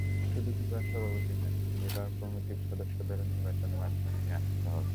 শুধু ফিফা সভাপতি নয়, নির্বাহী কমিটির সদস্যদেরও নির্বাচনের মাধ্যমে নিয়ে আসতে হবে।